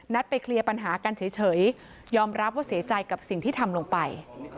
ไปเคลียร์ปัญหากันเฉยยอมรับว่าเสียใจกับสิ่งที่ทำลงไป